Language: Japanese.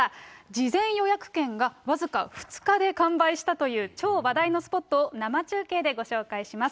事前予約券が僅か２日で完売したという超話題のスポットを生中継でご紹介します。